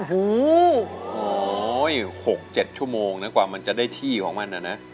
โอ้โหโอ้ยหกเจ็ดชั่วโมงนะกว่ามันจะได้ที่ของมันอะนะ